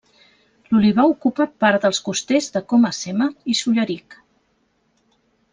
L'olivar ocupa part dels costers de Coma-sema i Solleric.